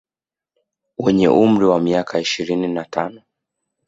Wenye umri wa miaka ishirini na tano